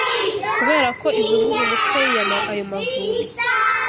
kubera ko izunguza umutwe yiyama ayo mavubi